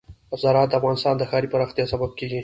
زراعت د افغانستان د ښاري پراختیا سبب کېږي.